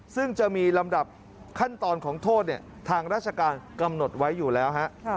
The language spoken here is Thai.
ซึ่งจะมีลำดับขั้นตอนของโทษทางราชการกำหนดไว้อยู่แล้วฮะ